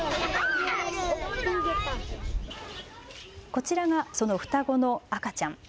こちらがその双子の赤ちゃん。